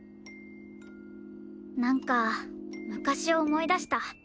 なんか昔を思い出した。